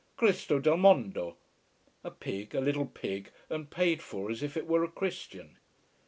Cristo del mondo! A pig, a little pig, and paid for as if it were a Christian.